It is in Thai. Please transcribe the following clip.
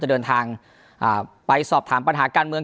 เดินทางไปสอบถามปัญหาการเมือง